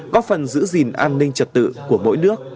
có phần giữ gìn an ninh trật tự của mỗi nước